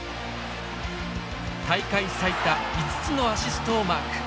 大会最多５つのアシストをマーク。